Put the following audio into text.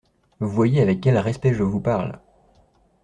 Voyez avec quel respect je vous parle.